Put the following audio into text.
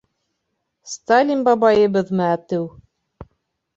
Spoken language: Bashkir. Сталин бабайыбыҙмы әтеү?